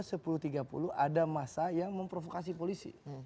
tiba tiba sepuluh tiga puluh ada masa yang memprovokasi polisi